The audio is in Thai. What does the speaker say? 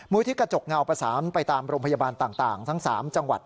ที่กระจกเงาประสานไปตามโรงพยาบาลต่างทั้ง๓จังหวัด